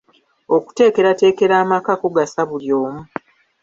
Okuteekerateekera amaka kugasa buli omu.